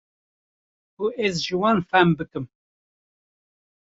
ku ez ji wan fehm bikim